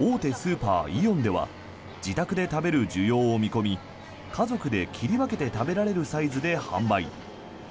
大手スーパー、イオンでは自宅で食べる需要を見込み家族で切り分けて食べられるサイズで販売。